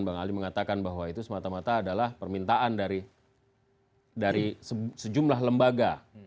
bang ali mengatakan bahwa itu semata mata adalah permintaan dari sejumlah lembaga